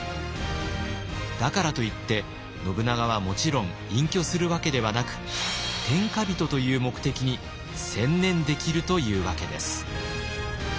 だからといって信長はもちろん隠居するわけではなく天下人という目的に専念できるというわけです。